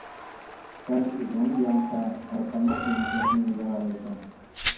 سەن ئۆزۈڭنى يەڭسەڭ، ھەر قانداق قىيىنچىلىقنى يېڭەلەيسەن.